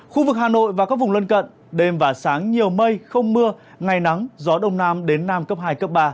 khu vực hà nội và các vùng lân cận đêm và sáng nhiều mây không mưa ngày nắng gió đông nam đến nam cấp hai cấp ba